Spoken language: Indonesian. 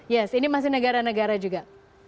yes ini masih negara negara juga